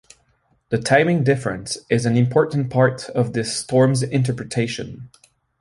The timing difference is an important part of this storm's interpretation.